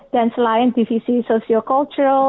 dan selain divisi socio kultural